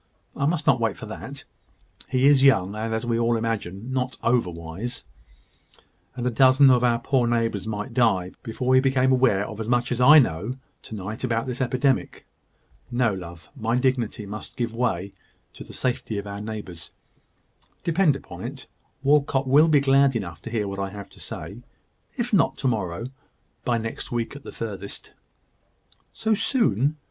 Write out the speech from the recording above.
"I must not wait for that. He is young, and, as we all imagine, not over wise: and a dozen of our poor neighbours might die before he became aware of as much as I know to night about this epidemic. No, love; my dignity must give way to the safety of our neighbours. Depend upon it, Walcot will be glad enough to hear what I have to say if not to morrow, by next week at furthest." "So soon?